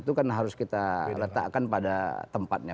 itu kan harus kita letakkan pada tempatnya